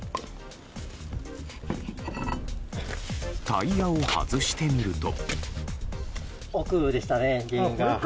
タイヤを外してみると。